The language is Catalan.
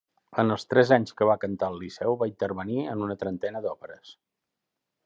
En els tres anys que va cantar al Liceu va intervenir en una trentena d'òperes.